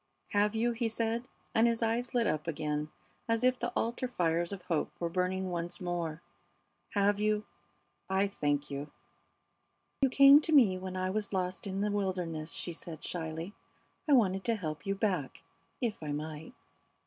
"Have you?" he said, and his eyes lit up again as if the altar fires of hope were burning once more. "Have you? I thank you." "You came to me when I was lost in the wilderness," she said, shyly. "I wanted to help you back if I might."